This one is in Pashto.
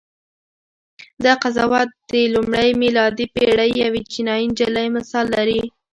دغه قضاوت د لومړۍ میلادي پېړۍ یوې چینایي نجلۍ مثال لري.